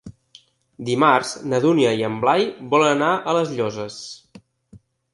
Dimarts na Dúnia i en Blai volen anar a les Llosses.